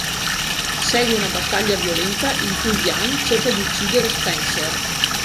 Segue una battaglia violenta, in cui Ian cerca di uccidere Spencer.